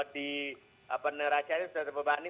di apa neracanya sudah terbebani